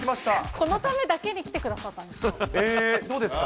このためだけに来てくださっどうですか？